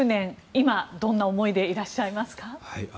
今、どんな思いでいらっしゃいますか。